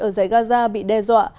ở dãy gaza bị đe dọa